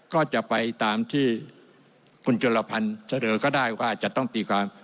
ก็จะไปตามที่คุณจุลพันธ์เสนอก็ได้ว่าจะต้องตีความ